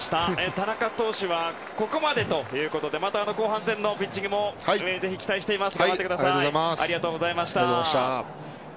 田中投手はここまでということでまた後半戦のピッチングも期待しています。